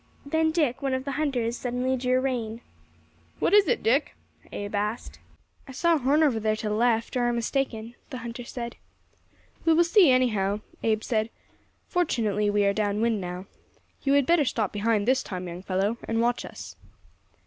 Then Dick, one of the hunters, suddenly drew rein. "What is it, Dick?" Abe asked. [Illustration: A DEER HUNT ON THE PRAIRIE.] "I saw a horn over there to the left, or I am mistaken," the hunter said. "We will see, anyhow," Abe said; "fortunately we are down wind now. You had better stop behind this time, young fellow, and watch us."